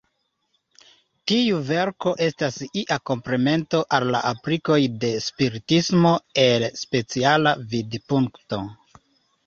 Tiu verko estas ia komplemento al la aplikoj de Spiritismo el speciala vidpunkto.